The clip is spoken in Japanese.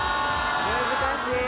難しい。